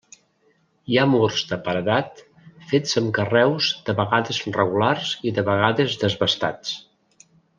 Hi ha murs de paredat fets amb carreus de vegades regulars i de vegades desbastats.